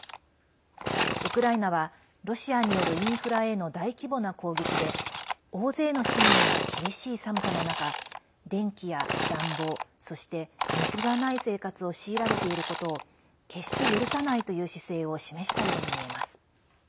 ウクライナはロシアによるインフラへの大規模な攻撃で大勢の市民が厳しい寒さの中電気や暖房そして、水がない生活を強いられていることを決して許さないという姿勢を示したようにみえます。